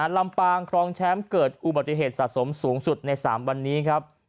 ลำปางครองแชมป์เกิดอุบัติเหตุสะสมสูงสุดใน๓วันนี้ครับ